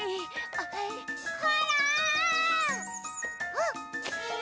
あっ！